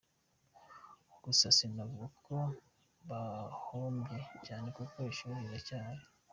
Gusa sinavuga ko bahombye cyane kuko ishuri riracyahari.